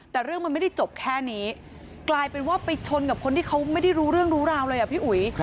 แต่เรื่องมันไม่ได้จบแค่นี้กลายเป็นว่าไปชนกับคนที่เขาไม่ได้รู้เรื่องรู้ราวเลยอ่ะพี่อุ๋ย